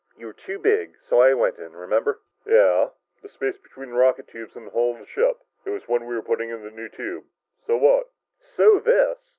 You were too big, so I went in, remember?" "Yeah, the space between the rocket tubes and the hull of the ship. It was when we were putting in the new tube. So what?" "So this!"